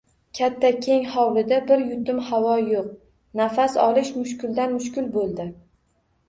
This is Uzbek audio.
Katta, keng hovlida bir yutum havo yo`q, nafas olish mushkuldan-mushkul bo`ldi